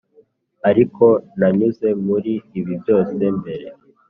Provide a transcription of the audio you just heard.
ariko nanyuze muri ibi byose mbere,